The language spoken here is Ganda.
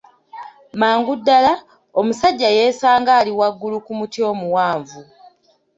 Mangu ddala, omusajja yeesanga ali waggulu ku muti omuwanvu.